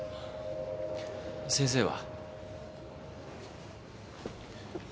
先生は？